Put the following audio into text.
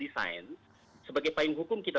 desain sebagai payung hukum kita